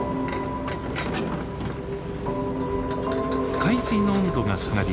海水の温度が下がり